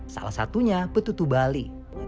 salah satunya petutu bali